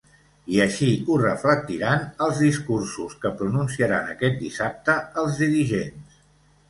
I així ho reflectiran els discursos que pronunciaran aquest dissabte els dirigents.